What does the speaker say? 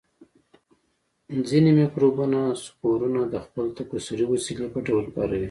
ځینې مکروبونه سپورونه د خپل تکثري وسیلې په ډول کاروي.